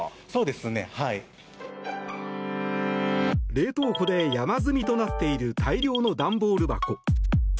冷凍庫で山積みとなっている大量の段ボール箱。